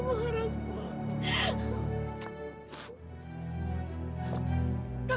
kamu harus pulang